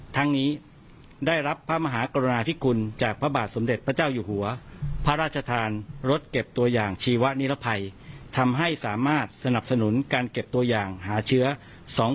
ทั้งนี้ได้รับพระมหากรณาธิคุณจากพระบาทสมเด็จพระเจ้าอยู่หัวพระราชทานรถเก็บตัวอย่างชีวนิรภัยทำให้สามารถสนับสนุนการเก็บตัวอย่างหาเชื้อ